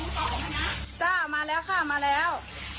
มาแล้วค่ะมาแล้วค่ะจ้ะมาแล้วค่ะมาแล้ว